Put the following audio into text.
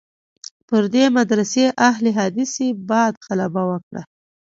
پر دې مدرسې اهل حدیثي بعد غلبه وکړه.